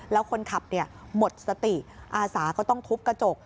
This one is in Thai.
แล้วคนขับหมดสติอาสาก็ต้องทุบกระจก